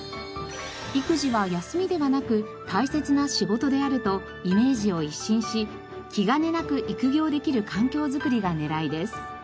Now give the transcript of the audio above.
育児は休みではなく大切な仕事であるとイメージを一新し気兼ねなく育業できる環境づくりが狙いです。